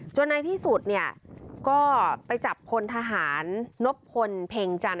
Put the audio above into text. ในที่สุดเนี่ยก็ไปจับพลทหารนบพลเพ็งจันท